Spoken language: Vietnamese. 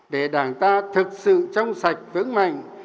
để đảng ta thực sự trong sạch vững mạnh